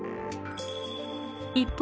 一方